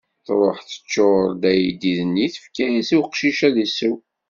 Tṛuḥ, teččuṛ-d ayeddid-nni, tefka-as i uqcic ad isew.